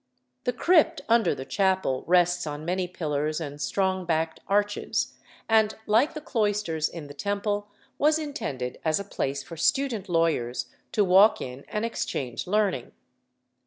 The crypt under the chapel rests on many pillars and strong backed arches, and, like the cloisters in the Temple, was intended as a place for student lawyers to walk in and exchange learning.